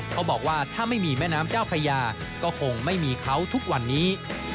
เขาบอกว่าถ้าไม่มีแม่น้ำเจ้าพญาก็คงไม่มีเขาทุกวันนี้